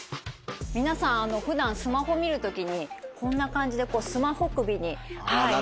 皆さん普段スマホ見るときにこんな感じでスマホ首になってませんか？